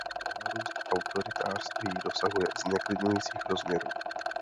Nárůst autoritářství dosahuje zneklidňujících rozměrů.